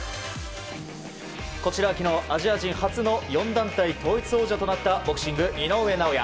こちらは昨日、アジア人初の４団体統一王者となったボクシング、井上尚弥。